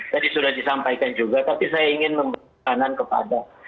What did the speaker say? tadi sudah disampaikan juga tapi saya ingin memberikanan kepada